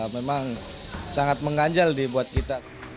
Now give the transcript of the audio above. memang sangat mengganjal buat kita